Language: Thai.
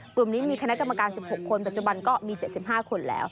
กลุ่มนี้มีคณะกรรมการ๑๖คนปัจจุบันก็มี๗๕คนแล้ว